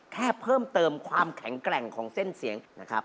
แค่เพิ่มเติมความแข็งแกร่งของเส้นเสียงนะครับ